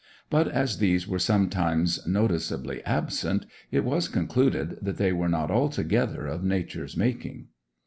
But as these were sometimes noticeably absent, it was concluded that they were not altogether of Nature's making.